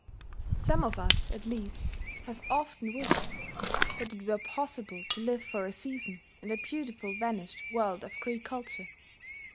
Some of us, at least, have often wished that it were possible to live for a season in the beautiful vanished world of Greek culture.